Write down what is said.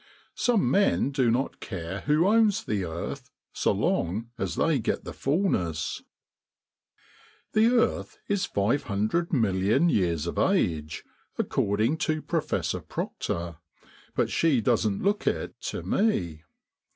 Some men do not care who owns the earth so long as they get the fullness. The earth is 500,000,000 years of age, according to Prof. Proctor, but she doesn't look it to me.